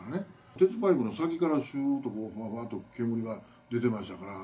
鉄パイプの先からしゅーっと、ふわふわっと煙が出てましたから。